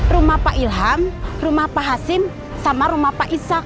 rumah pak ilham rumah pak hasim sama rumah pak ishak